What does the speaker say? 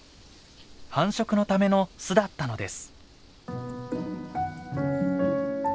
繁殖のための巣だったのです。